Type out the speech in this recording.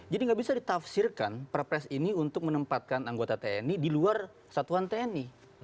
jadi nggak bisa ditafsirkan perpres ini untuk menempatkan anggota tni di luar satuan tni